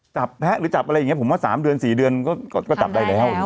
แพะหรือจับอะไรอย่างนี้ผมว่า๓เดือน๔เดือนก็จับได้แล้ว